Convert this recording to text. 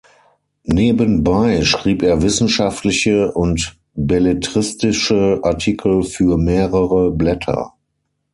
Nebenbei schrieb er wissenschaftliche und belletristische Artikel für mehrere Blätter.